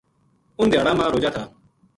اُنھ دھیاڑاں ما روجا تھا